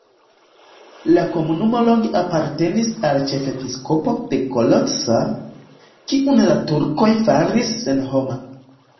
La komunumo longe apartenis al ĉefepiskopo de Kalocsa, kiun la turkoj faris senhoma.